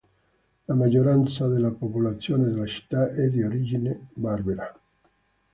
La maggioranza della popolazione della città è di origine berbera.